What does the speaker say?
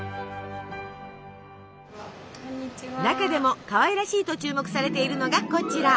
中でもかわいらしいと注目されているのがこちら。